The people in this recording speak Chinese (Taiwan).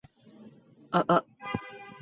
啊啊